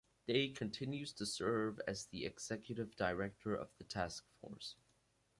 Day continues to serve as the executive director of the task force.